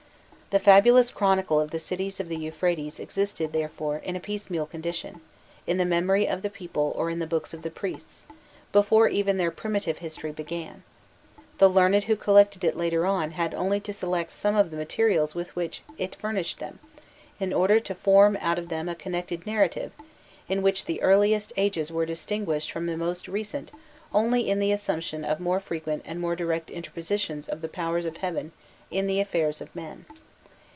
The fabulous chronicle of the cities of the Euphrates existed, therefore, in a piecemeal condition in the memory of the people or in the books of the priests before even their primitive history began; the learned who collected it later on had only to select some of the materials with which it furnished them, in order to form out of them a connected narrative, in which the earliest ages were distinguished from the most recent only in the assumption of more frequent and more direct interpositions of the powers of heaven in the affairs of men.